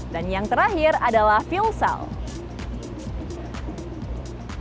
dan yang terakhir adalah fuel cell